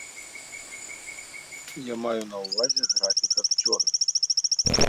Я маю на ўвазе графік акцёра.